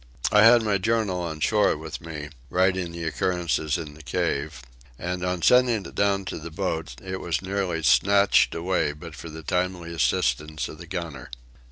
I had my journal on shore with me, writing the occurrences in the cave and in sending it down to the boat, it was nearly snatched away but for the timely assistance of the gunner.